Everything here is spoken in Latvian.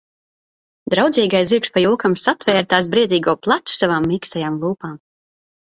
Draudzīgais zirgs pa jokam satvēra tās briedīgo plecu savām mīkstajām lūpām.